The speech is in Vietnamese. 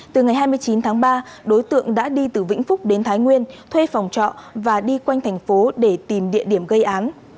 từ ngày hai mươi chín tháng ba đối tượng đã đi từ vĩnh phúc đến thái nguyên thuê phòng trọ và đi quanh thành phố để tìm địa điểm gây án